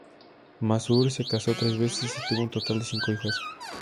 Masur se casó tres veces y tuvo un total de cinco hijos.